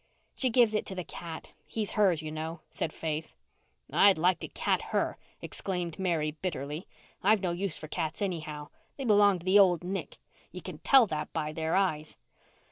"She gives it to the cat. He's hers, you know," said Faith. "I'd like to cat her," exclaimed Mary bitterly. "I've no use for cats anyhow. They belong to the old Nick. You can tell that by their eyes.